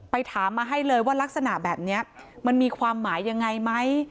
ถามมาให้เลยว่ารักษณะแบบนี้มันมีความหมายยังไงไหม